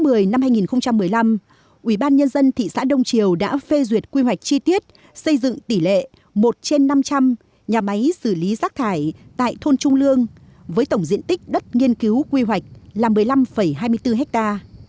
với tổng hữu hạn viễn đông thuê đất bởi ngày hai mươi tám tháng một mươi năm hai nghìn một mươi năm ubnd thị xã đông triều đã phê duyệt quy hoạch chi tiết xây dựng tỷ lệ một trên năm trăm linh nhà máy xử lý rác thải tại thôn trung lương với tổng diện tích đất nghiên cứu quy hoạch là một mươi năm hai mươi bốn ha